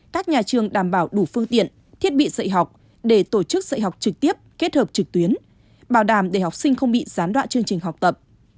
các nhà trường đảm bảo đủ phương tiện thiết bị dạy học để tổ chức dạy học trực tiếp kết hợp trực tuyến bảo đảm để học sinh không bị gián đoạn chương trình học tập